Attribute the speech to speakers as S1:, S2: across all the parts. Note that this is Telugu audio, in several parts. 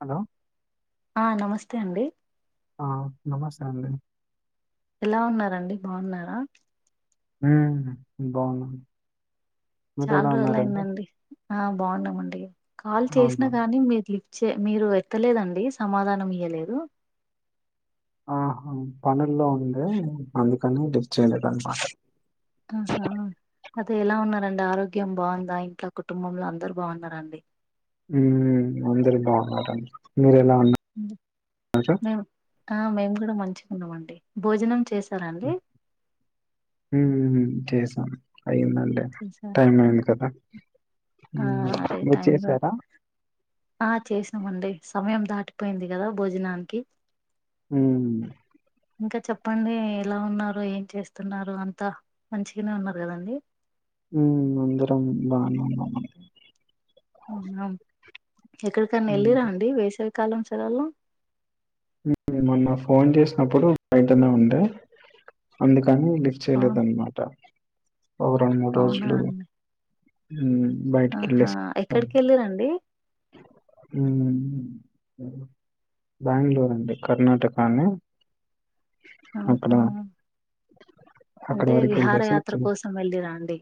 S1: హలో
S2: ఆ నమస్తే అండి
S1: ఆ నమస్తే అండి
S2: ఎలా ఉన్నారండి బాగున్నారా
S1: హుమ్బాగున్నాం
S2: చాలా రోజులు అయిందండి ఆ బాగున్నామండి కాల్ చేసినా
S1: అవునా!
S2: కానీ మీరు లీఫ్ చె మీరు ఎత్తలేదండి సమాధానం ఇయలేదు
S1: ఆహా పనుల్లో ఉండే అందుకని లీఫ్ చేయలేదు అన్నమాట
S2: ఆహా అదే ఎలా ఉన్నారండి ఆరోగ్యం బాగుందా ఇంట్లా కుటుంబంలో అందరు బాగున్నారండి
S1: హమ్ అందరు బాగున్నారు మీరు ఎలా ఉన్నా
S2: మేము ఆ మేము కూడా మంచిగా ఉన్నామండి భోజనం చేసారా అండి
S1: హమ్ చేసాం అయ్యింది అండి టైం అయింది కదా
S2: ఆ
S1: ఉమ్
S2: అదే
S1: మీరు
S2: టైం కూడా
S1: చేసారా
S2: ఆ చేసామండి సమయం దాటిపోయింది కదా భోజనానికి
S1: హుమ్
S2: ఇంకా చెప్పండి ఎలా ఉన్నారు ఏం చేస్తున్నారు అంత మంచిగానే ఉన్నారు కదండి
S1: హమ్ అందరం బానే ఉన్నాం
S2: అవునా ఎక్కడికన్నా
S1: హ్మ్.
S2: వెళ్ళిరా అండి వేసావికాలం సేలవలో
S1: మమొన్న ఫోన్ చేసినప్పుడు బయటనే ఉండే అందుకని డి
S2: ఆ
S1: చేయలేదన్నమాట ఒక రెండు మూడు
S2: అవునా
S1: రోజులు
S2: అండి
S1: ఉమ్ బైట
S2: ఆహా
S1: కెళ్ళెసి వద్దాం
S2: ఎక్కడికి వెళ్ళిరండి
S1: ఉమ్ బ్యాంగ్ళూర్ వుంది కర్ణాటక ఆని
S2: ఆహా
S1: అక్కడ
S2: అంటే
S1: వరకెళ్ళేసి
S2: విహారయాత్ర కోసం వెళ్ళిర అండి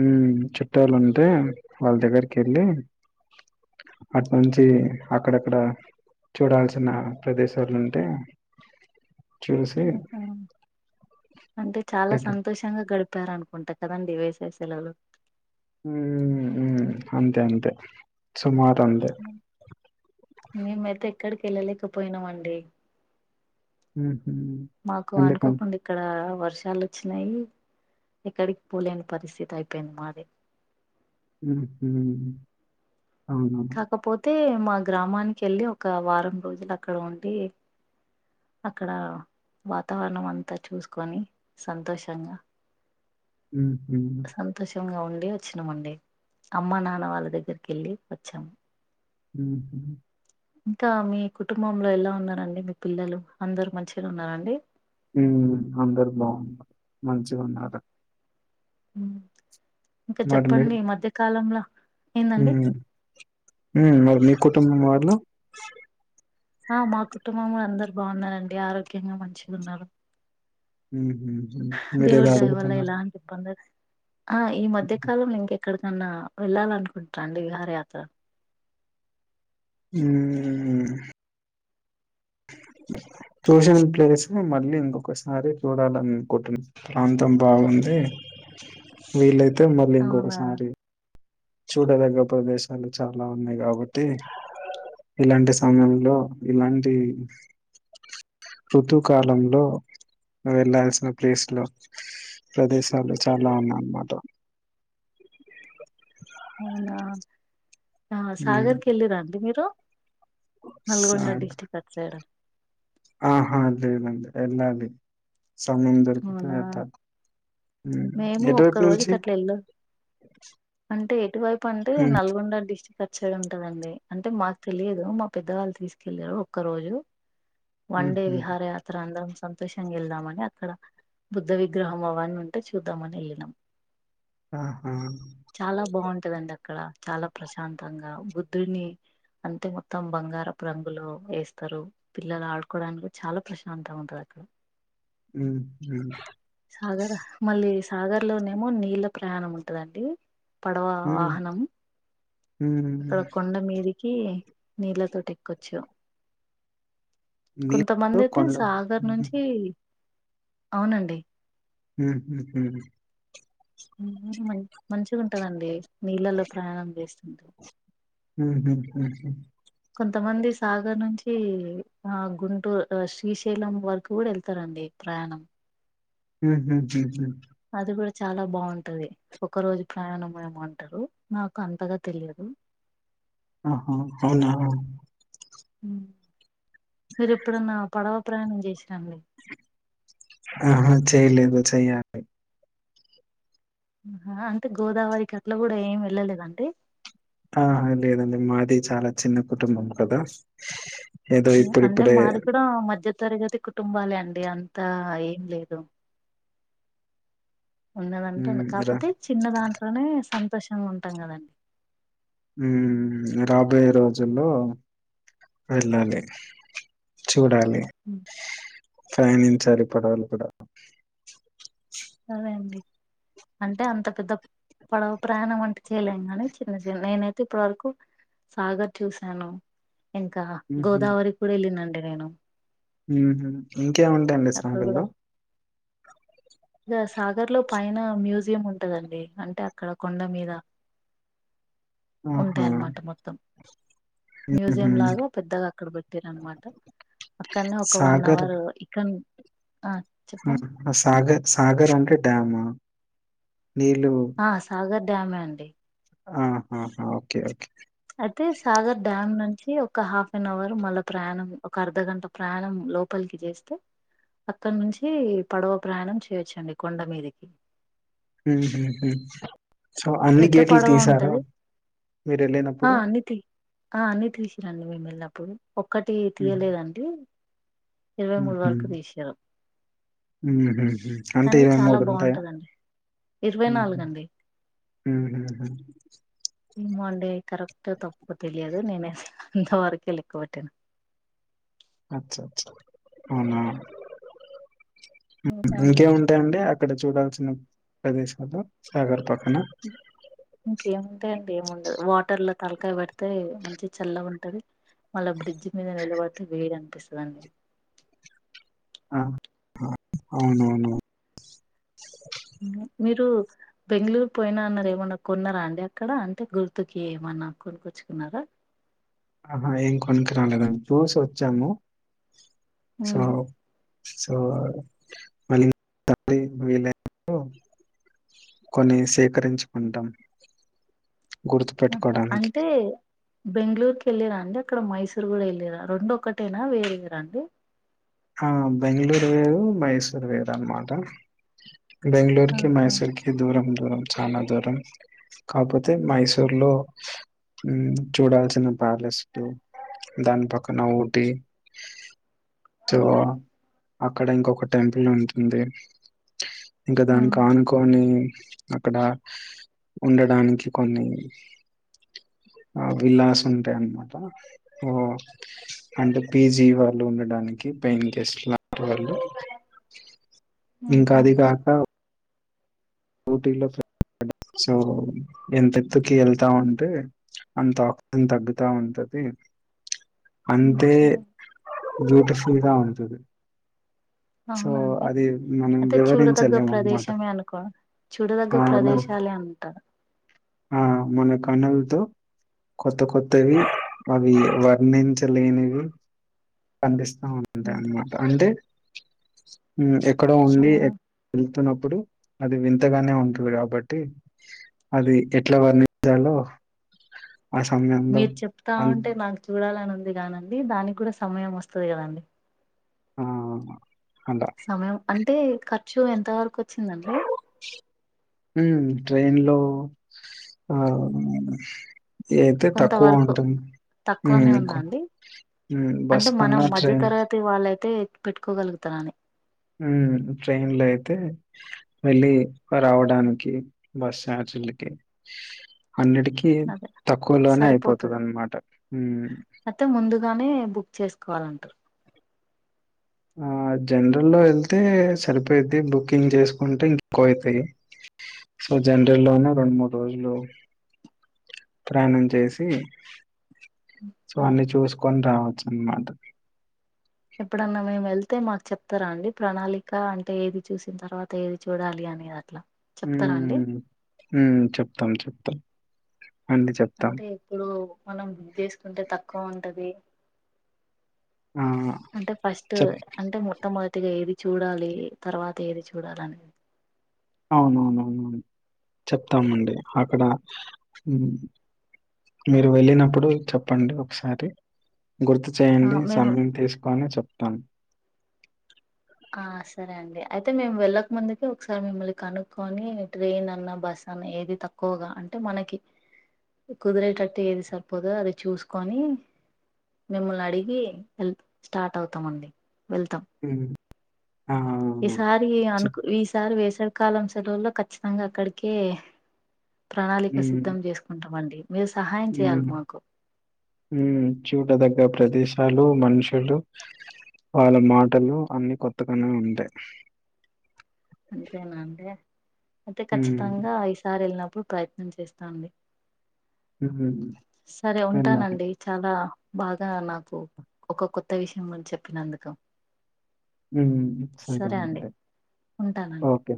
S1: ఉమ్ చుట్టాలు ఉంటే వాళ్ళ దగ్గరికి వెళ్ళి అటు నుంచి అక్కడక్కడ చూడాల్సిన ప్రదేశాలు ఉంటే
S2: ఆహా అంటే చాలా
S1: రిటర్న్
S2: సంతోషం షంగా గడిపారు అనుకుంటా కదండి వేసవి సెలవలు
S1: ఉమ్ ఉమ్ అంతే అంతే సుమారు అంతే
S2: మేము అయితే ఎక్కడికి వెళ్ళలేకపోయినాం అండి
S1: ఉహుమ్
S2: మాకు అనుకోకుండా ఇక్కడ వర్షాలు వచ్చినాయి ఎక్కడికి పోలేని పరిస్థితి అయిపోయింది మాది
S1: ఉహు
S2: కాకపోతే మా గ్రామానికి వెళ్ళి ఒక వారం రోజులు అక్కడ ఉండి అక్కడ వాతావరణం అంతా చూసుకొని సంతోషంగా
S1: ఉహు
S2: సంతోషంగా ఉండి వచ్చినామండి అమ్మ నాన్న వాళ్ళ దగ్గరికి వెళ్ళి వచ్చాము
S1: ఉహు
S2: ఇంకా మీ కుటుంబంలో ఎలా ఉన్నారండి మీ పిల్లలు అందరు మంచిగానే ఉన్నారండి
S1: ఉమ్ అందరు బాగున్నారు మంచిగా ఉన్నారు
S2: ఉమ్మ్ ఇంక చెప్పండి ఈ మధ్యకాలంలో
S1: ఉమ్ ఉమ్ మరి మీ కుటుంబం వాళ్ళు
S2: ఆ మా కుటుంబంలో అందరు బాగున్నారండి ఆరోగ్యంగా మంచిగా ఉన్నారు
S1: ఉహూ
S2: దేవుడి దయవల్ల ఎలాంటి పండగా ఆ ఈ మధ్యకాలం ఇంకెక్కడికన్నా వెళ్ళాలి అనుకుంటార అండి విహారయాత్ర
S1: ఉమ్ చూసిన ప్లేస్ మళ్ళీ ఇంకొకసారి చూడాలని అనుకుంటున్నాం ప్రాంతం బాగుంది వీలైతే మళ్ళీ
S2: అవునా
S1: ఇంకొకసారి చూడదగ్గ ప్రదేశాలు చాలా ఉన్నాయి కాబట్టి ఇలాంటి సమయంలో ఇలాంటి ఋతువు కాలంలో వెళ్ళాల్సిన ప్లేస్ లో ప్రదేశాలు చాలా ఉన్నాయి అన్నమాట
S2: అవున
S1: హ్మ్.
S2: సాగర్కి వెళ్ళిరా అండి మీరు నల్గొండ
S1: సాగ్
S2: డిస్టిక్ట్ అటు సైడ్
S1: ఆహా లేదండి ఎలాలి సమయం దొరుకుతే
S2: అవునా
S1: వెళ్తా
S2: మేము ఒక్క రోజుకి అట్లా వెళ్ళాం అంటే ఎటువైపు అంటే
S1: హ్మ్.
S2: నల్గొండ డిస్టిక్ట్ అటు సైడ్ ఉంటదండి అంటే మాకు తెలియదు మా పెద్దవాళ్ళు తీసుకెళ్ళారు ఒక్క రోజు వన్ డే
S1: ఉహు.
S2: విహార యాత్ర అందరం సంతోషంగా వెళ్దామని అక్కడ బుద్ధ విగ్రహం అవన్ని ఉం టే చూద్దామని వెళ్ళినం
S1: ఆహా
S2: చాలా బాగుంటదండి అక్కడ చాలా ప్రశాంతంగా బుద్ధుని అంతే మొత్తం బంగారపు రంగులో వేస్తారు పిల్లలు ఆడుకోవడానికి కూడా చాలా ప్రశాంతగా ఉంటది అక్కడ
S1: ఉమ్ ఉమ్
S2: సాగర్ మళ్ళీ సాగర్ లోనేమో నీళ్ళ ప్రయాణం ఉంటదండి పడవ
S1: హ్మ్.
S2: వాహనం అక్కడ
S1: హ్మ్.
S2: కొండ మీదికి నీళ్ళ తోటి ఎక్కొచ్చు
S1: నీరు
S2: కొంతమంది అయితే
S1: కొండ
S2: సాగర్
S1: హుహు.
S2: నుంచి అవునండి
S1: ఉహుహు
S2: ఉహు మంచిగా ఉంటదండి నీళ్ళల్లో ప్రయాణం చేస్తుంటే
S1: ఉహుహు
S2: కొంతమంది సాగర్ నుంచి ఆ గుంటూరు శ్రీశైలం వరకు కూడా వెళ్తారండి ప్రయాణం
S1: ఉహుహుహు
S2: అది కూడా చాలా బాగుంటది ఒక రోజు ప్రయాణం ఏమో అంటారు నాకు అంతగా తెలియదు
S1: ఆహా అవునా
S2: ఉం మీరు ఎప్పుడన్నా పడవ ప్రయాణం చేసిరా అండి
S1: ఆహా చెయలేదు చెయ్యాలి
S2: ఆ అంటే గోదావరికి అట్ల కూడా ఏమి వెళ్ళలేదా అండి
S1: ఆహా లేదండి మాది చాలా చిన్న కుటుంబం కదా ఏదో
S2: ఉం అంటే
S1: ఇప్పుడిప్పుడే
S2: మాది కూడా మధ్య తరగతి కుటుంబాలే అండి అంతా ఏం లేదు ఉన్నది అంత
S1: హ్మ్. రా
S2: కాకపోతే చిన్న దాంట్లోనే సంతోషంగా ఉంటాం కదా అండి
S1: ఉమ్ రాబోయే రోజుల్లో వెళ్ళాలి చూడాలి ప్రయాణించాలి పడవలు కూడా
S2: అదే అండి అంటే అంత పెద్ద పడవ ప్రయాణం అంట చేయలేము గాని చిన్న చిన్న నేనైతే ఇప్పటి వరకు సాగర్ చూసాను ఇంకా
S1: హుహు.
S2: గోదావరి కూడా వెళ్ళిన అండి నేను
S1: హు హామ్ ఇంకేం ఉంటాయి అండి
S2: అక్కడ
S1: సాగర్లో
S2: ఇగా సాగర్ లో పైన మ్యూజియం ఉంటదండి అంటే అక్కడ కొండ మీద ఉంటాయ్
S1: ఆహా!
S2: అన్నమాట మొత్తం మ్యూజియం
S1: హుహు.
S2: లాగా పెద్దగా అక్కడ పెట్టిర్రు అనమాట అక్కడనే ఒక వన్
S1: సాగర్
S2: అవర్ ఇక్కన్ ఆ చెప్పండి
S1: ఆ సాగర్ సాగర్ అంటే డ్యాము నీళ్ళు
S2: ఆ సాగర్ డ్యామే అండి
S1: ఆహాహా ఓకే ఓకే
S2: అయితే సాగర్ డ్యామ్ నుంచి ఒక హాఫ్ అన్ అవర్ మళ్ళ ప్రయాణం ఒక అర్ధగంట ప్రాణం లోపలికి చేస్తే అక్కన్నుంచి పడవ ప్రయాణం చేయొచ్చండి కొండ మీదికి
S1: ఊహు హు సో అన్ని
S2: పెద్ద
S1: గేట్లు
S2: పడవ
S1: తీసారా
S2: ఉంటది ఆ
S1: మీరెళ్ళినప్పుడు
S2: అన్ని తీ ఆ అన్ని తీసిరండి మేమెళ్ళినప్పుడు ఒక్కటి
S1: హ్మ్.
S2: తీయలేదండి ఇరవై మూడు వరకు తీసిర్రు
S1: ఊహు హు అంటే
S2: కానీ
S1: ఇరవై
S2: చాలా
S1: మూడు ఉంటాయా
S2: బాగుంటదండి ఇరవై నాలుగు అండి
S1: ఊహుహు
S2: ఏమో అండి కరెక్టో తప్పో తెలియదు నేనైతే అంతవరకే లెక్క పెట్టిన
S1: అచ్చచ్చ అవునా
S2: ఇంకా అండి
S1: ఇంకేమున్ అంతే అండి అక్కడ చూడాల్సిన ప్రదేశాలు సాగర్ పక్కన
S2: ఉం ఇంకేముంటాయండి ఏముండదు వాటర్ లో తలకాయ పెడితే మంచిగ చల్లగుంటది మళ్ళ బ్రిడ్జ్ మీద నిలబడితే వేడి అనిపిస్తదండి
S1: ఆ హా అవునవును
S2: మీరు బెంగళూరు పోయినా అన్నారు ఏమన్నా కొన్నారా అండి అక్కడ అంటే గుర్తుకి ఏమన్నా కొనుకొచ్చుకున్నారా
S1: ఆహా ఏం కొనుకురాలేదండి చూసొచ్చాము సో
S2: ఉమ్
S1: సో మళ్ళీ [inaudible] వీలైనప్పుడు [unintelligible] కొన్ని సేకరించుకుంటాం
S2: ఆహా
S1: గుర్తుపెట్టుకోడానికి.
S2: అంటే బెంగళూరుకి ఎళ్లిరా అండి అక్కడ మైసూర్ కూడా ఎళ్లిరా రెండు ఒక్కటేనా వేరే వేరాండి
S1: ఆ బెంగళూరు వేరు మైసూర్ వేరు అనమాట బెంగళూరుకి
S2: ఆహా
S1: మైసూర్కి దూరం దూరం చానా దూరం కాకపోతే మైసూర్ లో ఊమ్ చూడాల్సిన ప్యాలెస్లు దాని పక్కన ఊటీ సో అక్కడ ఇంకొక టెంపుల్ ఉంటుంది ఇంకా
S2: ఉమ్
S1: దానికాను కొని అక్కడ ఉండడానికి కొన్ని ఆ విల్లాస్ ఉంటాయి అన్న మాట ఓ అంటే పీజీ వాళ్ళు ఉండడానికి కి పెయిన్ గెస్ట్ లా వాళ్ళు ఇంకా
S2: ఉహు
S1: అది గాక ఊటీలో సో ఎంతెెత్తుకి వెళ్తా ఉంటే అంత ఆక్సిజన్ తగ్గుతా ఉంటది అంతే
S2: ఉహు.
S1: బ్యూటిఫుల్ గా ఉంటాది
S2: అవునా అండి
S1: మనం
S2: అయితే చూడదగ్గ
S1: వివరించలేము అనమాట
S2: ప్రదేశమే అనుకో చూడదగ్గ
S1: ఆ మన
S2: ప్రదేశాలే అంటా
S1: ఆ మన కన్నులతో కొత్త కొత్తవి అవి వర్ణించలేనివి కనిపిస్తా ఉంటాయన్నమాట అంటే ఉమ్ ఎక్కడో ఉండి
S2: ఆ
S1: వేళ్తున్నప్పుడు అది వింతగానే ఉంటుంది కాబట్టి అది ఎట్లా వర్ణించాలో ఆ సమయం
S2: మీరు చెప్తా ఉంటే నాకు చూడాలని ఉంది కానండి దానికి కూడా సమయం వస్తది కదండి
S1: ఆ అవును అంటా
S2: సమయం అంటే ఖర్చు ఎంత వరకు వచ్చిందండి
S1: హమ్ ట్రైన్ లో ఆ అయితే
S2: కొంత
S1: తక్కువే
S2: వరకు
S1: ఉంటుంది
S2: తక్కువనే
S1: ఇం
S2: ఉందా అండి
S1: ఉమ్ బస్ కన్నా ట్రైన్
S2: అయితే వాళ్ళయితే పెట్టుకోగలుగుతారని
S1: ఉమ్ ట్రైన్ లో అయితే వెళ్ళి రావడానికి బస్ ఛార్జీలకి అన్నిటికిీ
S2: అదే
S1: తక్కువలోనే అయిపోతాది
S2: సరిపోతది
S1: అన్నమాట
S2: అయితే ముందుగానే బుక్ చేసుకోవాలంటారు
S1: ఆ జనరల్లో వెళ్తే సరిపోయిద్ది బుకింగ్ చేసుకుంటే ఎక్కువ అవుతాయి సో జనరల్ లోనే రెండు మూడు రోజులు ప్రయాణం చేసి సో అన్నీ
S2: మ్మ్.
S1: చూసుకొని రావచ్చు అన్నమాట
S2: ఎప్పుడన్నా మేము వెళ్తే మాకు చెప్తారా అండి ప్రణాళిక అంటే ఏది చూసిన తర్వాత ఏది చూడాలి అని అట్లా చెప్తారా అండి
S1: ఉమ్ ఉమ్ చెప్తాం చెప్తాం అండి చెప్తాం.
S2: అంటే ఇప్పుడు మనం బుక్ చేసుకుంటే తక్కువ ఉంటది
S1: ఆ!
S2: అంటే ఫస్ట్
S1: చెప్
S2: అంటే మొట్టమొదటిగా ఏది చూడాలి తర్వాత ఏది చూడాలి అనీ
S1: అవునవునవును చెప్తామ అండి అక్కడ మీరు వెళ్ళినప్పుడు చెప్పండి ఒకసారి గుర్తు
S2: ఆ
S1: చేయండి
S2: మేము
S1: సమయం తీసుకోని చెప్తాను
S2: ఆ సరే అండి అయితే మేము వెళ్ళక ముందుకే ఒకసారి మిమ్మల్ని కనుక్కొని ట్రైన్ అన్నా బస్ అన్నా ఏది తక్కువ తక్కువగా అంటే మనకి కుదిరేటట్టు ఏది సరిపోదొ అది చూసుకొని మిమ్మల్ని అడిగి వెల్ స్టార్ట్ అవుతామండి వెళ్తాం
S1: ఉమ్ హా
S2: ఈసారి అనుకు ఈసారి వేసవి కాలం సెలవుల్లో ఖచ్చితంగా అక్కడికే ప్రణాళిక
S1: హ్మ్.
S2: సిద్ధం చేసుకుంటాంమండి మీరు సహాయం చేయాలి మాకు
S1: ఉ చూడదగ్గ ప్రదేశాలు మనుషులు వాళ్ళ మాటలు అన్ని కొత్తగానే ఉంటాయి,
S2: అంతేనా అంటే అయితే
S1: హ్మ్.
S2: ఖచ్చితంగా ఈయిసారి వెళ్ళినప్పుడు ప్రయత్న చేస్తానండి
S1: హ్మ్.
S2: సరే
S1: వెళ్ళాలి.
S2: ఉంటానండి చాలా బాగా నాకు ఒక కొత్త విషయం చెప్పినందుకు
S1: ఉ సొతం
S2: సరే అండి
S1: ఉంటే
S2: ఉంటానండి
S1: ఓకే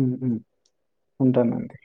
S1: ఉహు ఉంటానండి